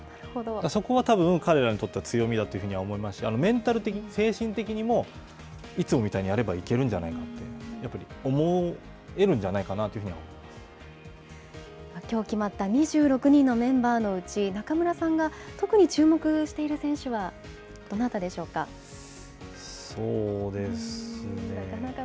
そこはたぶん、彼らにとっては、強みだというふうには思いますし、メンタル的に、精神的にもいつもみたいにやればいけるんじゃないかってやっぱり思えるんじゃないきょう決まった２６人のメンバーのうち、中村さんが特に注目している選手はどなたでしょうか。